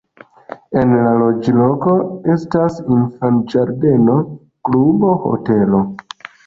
En la loĝloko estas infan-ĝardeno, klubo, hotelo.